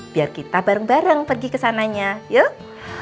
biar kita bareng bareng pergi ke sananya yuk